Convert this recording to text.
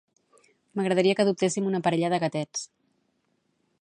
M'agradaria que adoptessim una parella de gatets.